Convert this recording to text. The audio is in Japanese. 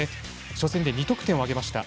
初戦で２得点を挙げました。